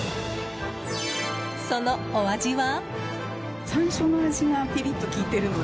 そのお味は？